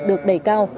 được đầy cao